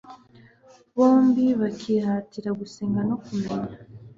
bombi bakihatira gusenga no kumenya